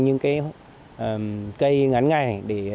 những cái cây ngắn ngay